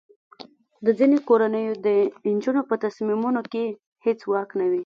د ځینو کورنیو د نجونو په تصمیمونو کې هیڅ واک نه وي.